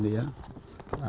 nah ini ya oke